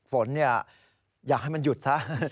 ฝนอยากให้มันหยุดซะ